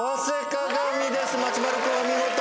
松丸君お見事。